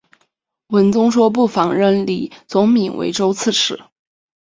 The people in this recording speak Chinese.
文宗说不妨任李宗闵为州刺史。